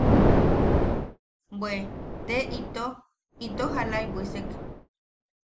Bwe... te ito, ito jalaʼi bwisek.